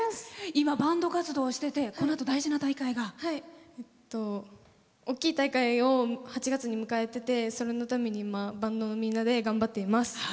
今、バンド活動しててこのあと大事な大会が？大きい大会を８月に迎えててそれのために今バンドのみんなで頑張っています。